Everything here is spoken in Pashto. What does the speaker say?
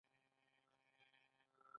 هغوی یوځای د ښایسته باد له لارې سفر پیل کړ.